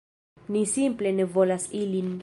Ni simple ne volas ilin.